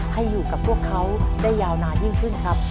ให้กับพวกเขาได้ยาวนานยิ่งขึ้นครับ